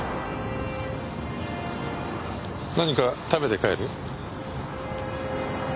何か食べて帰る？